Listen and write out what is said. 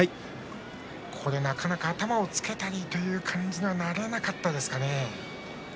なかなか頭をつけたりという感じにはなれなかったですか。